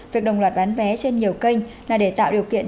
việc đồng loạt bán vé trên nhiều kênh là để tạo điều kiện